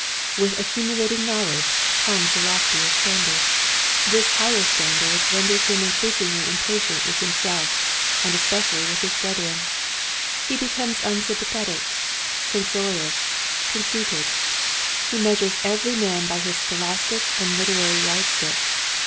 With accumulat ing knowledge comes a loftier standard. Books and Reading. 189 This higher standard renders him increas ingly impatient with himself and especially with his brethren. He becomes unsympa thetic, censorious, conceited. He meas ures every man by his scholastic and literary yardstick.